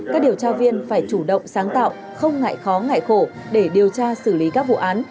các điều tra viên phải chủ động sáng tạo không ngại khó ngại khổ để điều tra xử lý các vụ án